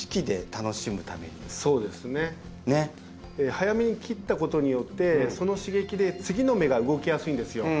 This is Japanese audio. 早めに切ったことによってその刺激で次の芽が動きやすいんですよ。